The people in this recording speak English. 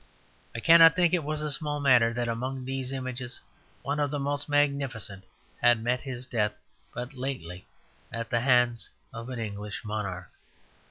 I cannot think it was a small matter that among these images one of the most magnificent had met his death but lately at the hands of an English monarch.